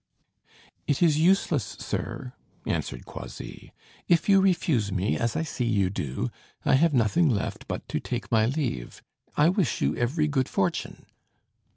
"It is useless, sir," answered Croisilles. "If you refuse me, as I see you do, I have nothing left but to take my leave. I wish you every good fortune."